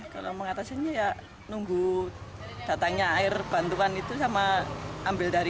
kalau mengatasinya ya nunggu datangnya air bantuan itu sama ambil dari